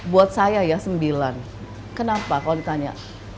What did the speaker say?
buat saya ya sembilan kenapa kalau ditanya